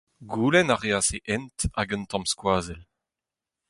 Goulenn a reas e hent hag un tamm skoazell.